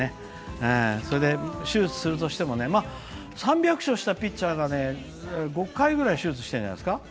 それで手術するとしても３００勝したピッチャーが５回ぐらい手術してるんじゃないですか？